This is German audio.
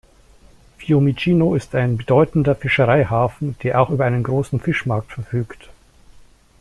Fiumicino ist ein bedeutender Fischereihafen, der auch über einen großen Fischmarkt verfügt.